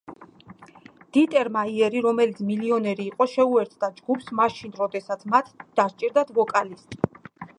დიტერ მაიერი, რომელიც მილიონერი იყო, შეუერთდა ჯგუფს მაშინ, როდესაც მათ დასჭირდათ ვოკალისტი.